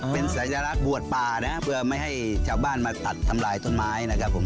เป็นสัญลักษณ์บวชป่านะครับเพื่อไม่ให้ชาวบ้านมาตัดทำลายต้นไม้นะครับผม